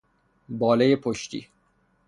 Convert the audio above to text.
بالهی پشتی